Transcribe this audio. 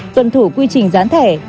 tuần thủ quy trình dán thẻ